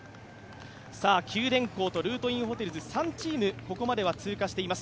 九電工とルートインホテルズ３チーム、ここまでは通過しています。